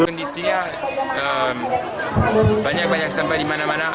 kondisinya banyak banyak sampah di mana mana